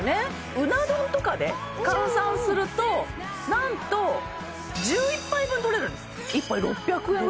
うな丼とかで換算するとなんと１１杯分とれるんです１杯６００円ぐらいです